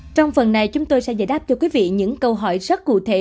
trong phần này chúng tôi sẽ giải đáp cho quý vị những câu hỏi rất cụ thể